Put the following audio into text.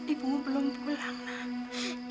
ibumu belum pulang nek